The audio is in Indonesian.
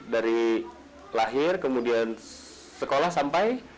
dari lahir kemudian sekolah sampai